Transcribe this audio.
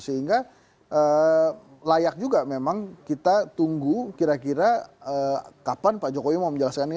sehingga layak juga memang kita tunggu kira kira kapan pak jokowi mau menjelaskan ini